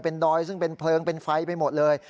ดอยซึ่งเป็นเพลิงเป็นไฟไปหมดเลย